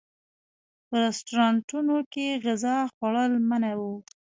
په رسټورانټونو کې غذا خوړل منع و.